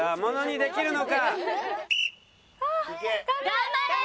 頑張れー！